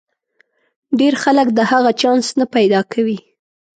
ډېر خلک د هغه چانس نه پیدا کوي.